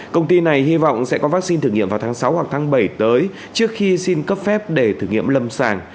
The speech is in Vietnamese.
công ty này hy vọng sẽ có vaccine thử nghiệm vào tháng sáu hoặc tháng bảy tới trước khi xin cấp phép để thử nghiệm lâm sàng